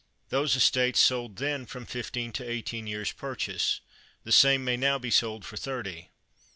Those estates sold then from fifteen to eighteen years purchase; the same may now be sold for thirty.